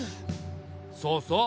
そうそう。